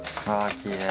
きれい！